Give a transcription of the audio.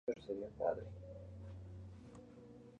Es una zona verde que recibe agua principalmente del río Barada.